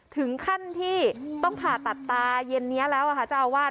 ถึงขั้นที่ต้องผ่าตัดตาเย็นนี้แล้วค่ะเจ้าอาวาส